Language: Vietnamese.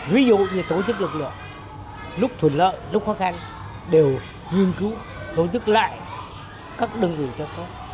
ví dụ như tổ chức lực lượng lúc thuận lợi lúc khó khăn đều nghiên cứu tổ chức lại các đơn vị cho cốt